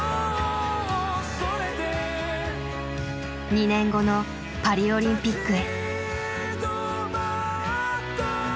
２年後のパリオリンピックへ。